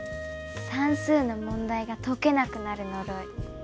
算数の問題が解けなくなる呪い。